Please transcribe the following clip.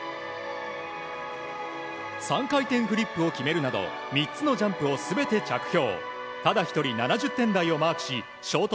３回転フリップを決めるなど３つのジャンプを全て着氷。